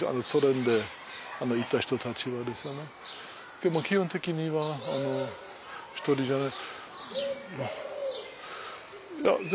でも基本的には１人じゃない。